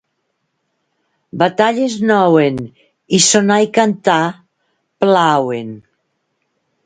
Batalles nouen, i sonar i cantar, plauen.